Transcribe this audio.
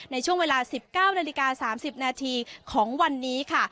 ในช่วงเวลาสิบเก้านาฬิกาสามสิบนาทีของวันนี้ค่ะ